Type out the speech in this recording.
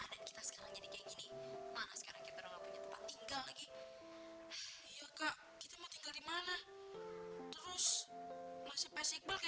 gue sumpahin biar mereka tinggal di kolam jembatan